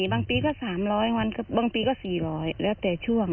บางปีก็๓๐๐วันบางปีก็๔๐๐แล้วแต่ช่วง